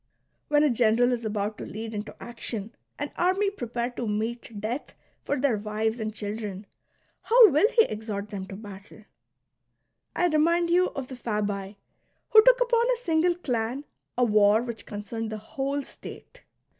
When a general is about to lead into action an army prepared to meet death for their wives and children, how will he exhort them to battle.'' I remind you of the Fabii,*^ who took upon a single clan a war which concerned the whole state.